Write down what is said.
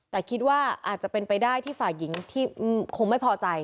แต่คิดว่าอาจจะเป็นไปได้ที่ฝ่ายหญิงที่คงไม่พอใจ